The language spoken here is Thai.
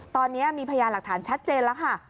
ตอนนี้มีพยานหลักฐานชัดเจนแล้วค่ะ